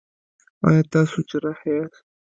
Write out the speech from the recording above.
ایا تاسو جراح یاست؟